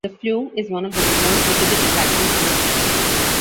The Flume is one of the most visited attractions in the state.